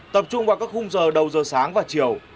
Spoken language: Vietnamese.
tập trung vào các khung giờ đầu giờ sáng và chiều